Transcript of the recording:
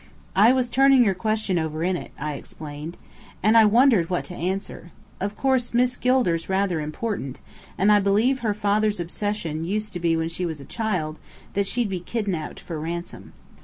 "I was turning your question over in it," I explained, "and wondering what to answer. Of course, Miss Gilder's rather important, and I believe her father's obsession used to be when she was a child, that she'd be kidnapped for ransom.